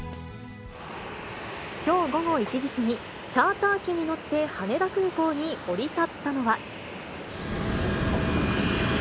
きょう午後１時過ぎ、チャーター機に乗って羽田空港に降り立ったのは。